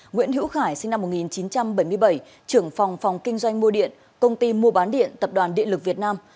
nguyễn hữu khải sinh năm một nghìn chín trăm bảy mươi bảy trưởng phòng phòng kinh doanh mua điện công ty mua bán điện tập đoàn điện lực việt nam